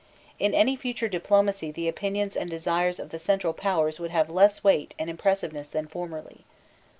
In any future diplomacy the opinions and desires of the Central Powers would have less weight and impressiveness than formerly.